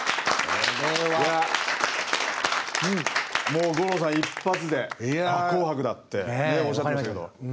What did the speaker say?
もう五郎さん一発で「あ『紅白』だ」っておっしゃってましたけど。